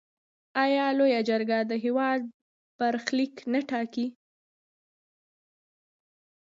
آیا لویه جرګه د هیواد برخلیک نه ټاکي؟